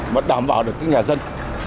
mà đảm bảo được các nhà dân